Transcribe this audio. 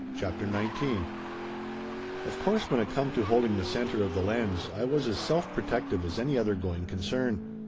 CHAPTER XIX OF course when it come to holding the center of the lens I was as self protective as any other going concern.